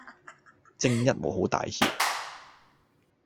正一無好帶挈